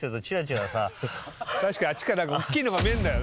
確かにあっちから大っきいのが見えんだよな。